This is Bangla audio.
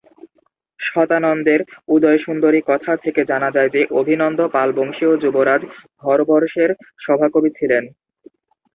শতানন্দের উদয়সুন্দরীকথা থেকে জানা যায় যে, অভিনন্দ পালবংশীয় যুবরাজ হরবর্ষের সভাকবি ছিলেন।